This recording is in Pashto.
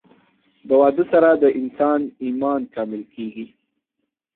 د واده سره د انسان ايمان کامل کيږي